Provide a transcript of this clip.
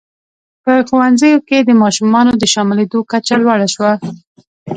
په ښوونځیو کې د ماشومانو د شاملېدو کچه لوړه شوه.